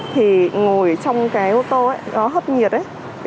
thì ngồi trong cái ô tô ấy nó hấp nhiệt đấy